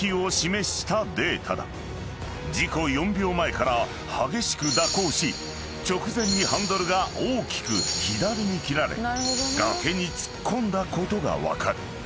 ［事故４秒前から激しく蛇行し直前にハンドルが大きく左に切られ崖に突っ込んだことが分かる］